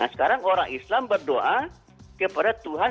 nah sekarang orang islam berdoa kepada tuhan